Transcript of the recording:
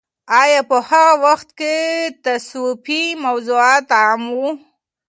آیا په هغه وخت کې تصوفي موضوعات عام وو؟